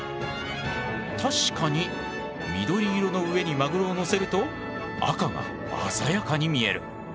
確かに緑色の上にマグロを載せると赤が鮮やかに見える。